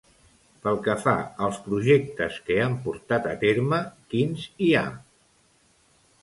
Pel que fa als projectes que han portat a terme, quins hi ha?